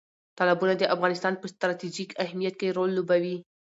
تالابونه د افغانستان په ستراتیژیک اهمیت کې رول لوبوي.